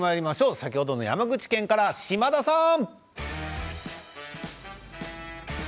先ほどの山口県から島田さん。